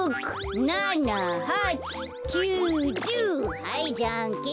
はいじゃんけん。